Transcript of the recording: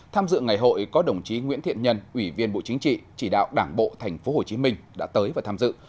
tham dự ngày hội có đồng chí nguyễn thiện nhân ủy viên bộ chính trị chỉ đạo đảng bộ tp hcm đã tới và tham dự